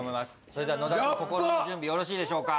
それでは野田君心の準備ヤバっよろしいでしょうか？